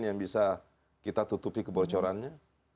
yang bisa kita tutupi kebocorannya